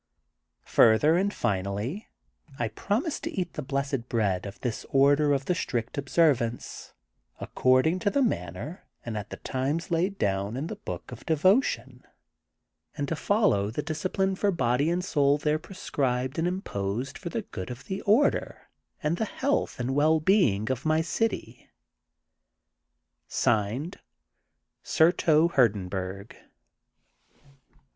Further and finally, I promise to eat the Blessed Bread of this Order of the Strict Ob servance, according to the maimer and at the times laid down in the Book of Devotion, and to follow the discipline for body and soul there prescribed and imposed for the good of 180 THE GOLDEN BOOK OF SPRINGFIELD the order and the health and well being of my city. (Signed) Surto Hurdenbnrg.